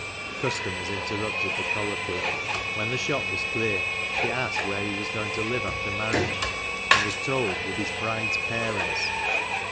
Customers interrupted the colloquy. When the shop was clear she asked where he was going to live after marriage, and was told with his bride's parents.